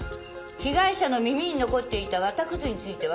被害者の耳に残っていた綿くずについては？